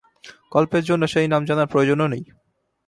গল্পের জন্যে সেই নাম জানার প্রয়োজনও নেই।